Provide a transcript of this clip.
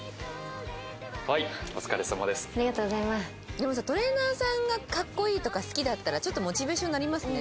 でもさトレーナーさんが格好いいとか好きだったらちょっとモチベーションになりますね。